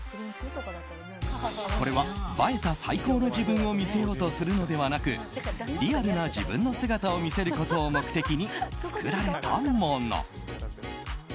これは映えた最高の自分を見せようとするのではなくリアルな自分の姿を見せることを目的に作られたもの。